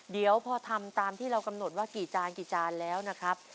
เดี๋ยวพอทำตามที่เรากำหนดว่ากี่จานกี่จานแล้วนะครับ